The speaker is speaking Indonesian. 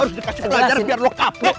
harus dikasih pelajar biar lo capek